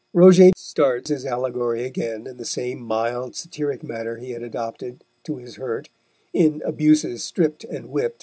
Roget starts his allegory again, in the same mild, satiric manner he had adopted, to his hurt, in Abuses stript and whipt.